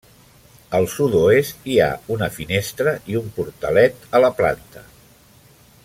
Al sud-oest hi ha una finestra i un portalet a la planta.